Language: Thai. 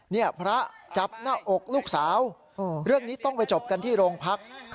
นี่พระจับหน้าอกลูกสาวเรื่องนี้ต้องไปจบกันที่โรงพัก